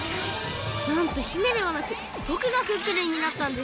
なんと姫ではなくぼくがクックルンになったんです